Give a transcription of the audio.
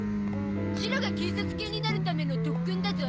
シロが警察犬になるための特訓だゾ。